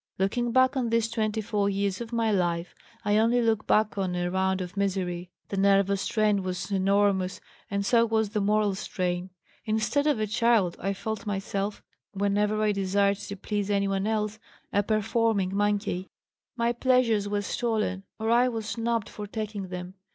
"Looking back on these twenty four years of my life I only look back on a round of misery. The nervous strain was enormous and so was the moral strain. Instead of a child I felt myself, whenever I desired to please anyone else, a performing monkey. My pleasures were stolen or I was snubbed for taking them.